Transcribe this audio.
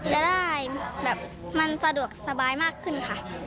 จะได้สะดวกสบายมากขึ้นค่ะ